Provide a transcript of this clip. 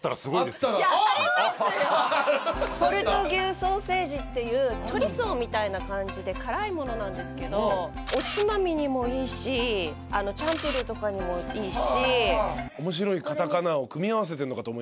ポルトギューソーセージっていうチョリソーみたいな感じで辛いものなんですけどおつまみにもいいしチャンプルーとかにもいいし。